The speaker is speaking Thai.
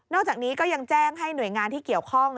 จากนี้ก็ยังแจ้งให้หน่วยงานที่เกี่ยวข้อง